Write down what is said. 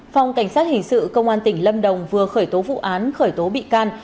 phòng cảnh sát hình sự công an tỉnh lâm đồng vừa khởi tố vụ án khởi tố bị can